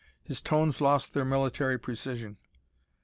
His tones lost their military precision.